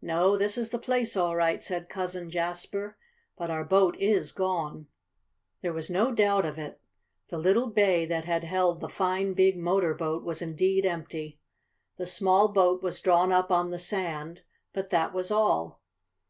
"No, this is the place all right," said Cousin Jasper. "But our boat is gone!" There was no doubt of it. The little bay that had held the fine, big motor boat was indeed empty. The small boat was drawn up on the sand, but that was all.